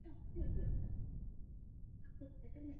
维捷尔尼科夫生于斯维尔德洛夫斯克。